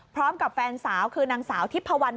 พร้อมกับแฟนสาวคือนางสาวทิพพวัน